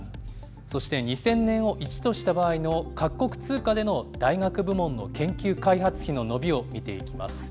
そして２０００年を１とした場合の各国通貨での大学部門の研究開発費の伸びを見ていきます。